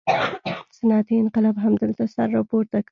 صنعتي انقلاب همدلته سر راپورته کړ.